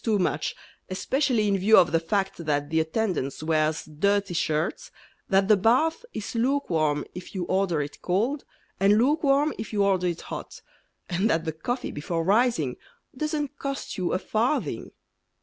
too much, Especially in view of the fact That the attendance wears dirty shirts, That the bath Is lukewarm if you order it cold And lukewarm if you order it hot; And that the coffee before rising Doesn't cost you a farthing.